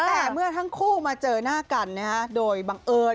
แต่เมื่อทั้งคู่มาเจอหน้ากันโดยบังเอิญ